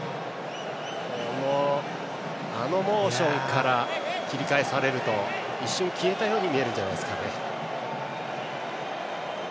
あのモーションから切り返されると一瞬、消えたように見えるんじゃないですかね。